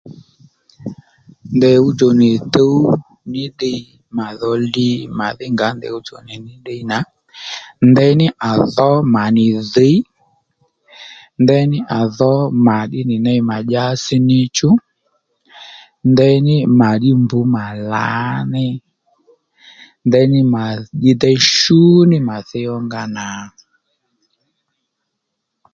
Ndèy ɦuwdjò nì tǔw ní ddiy mà dho li màdhí ngǎ ndèy ɦuwdjò nì tǔw ní ddiy nà ndéyní à dhǒ mà nì dhǐy ndeyní à dhǒ mà ddí nì ney mà dyási níchú ndeyní mà ddí mb ma lǎní ndeyní mà ddí déy shú nì mà thíy ónga nà